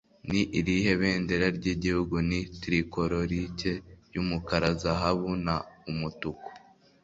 Ni irihe bendera ryigihugu ni Tricolorike Yumukara, Zahabu na Umutuku?